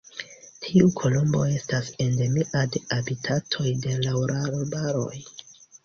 Tiu kolombo estas endemia de habitatoj de laŭrarbaroj.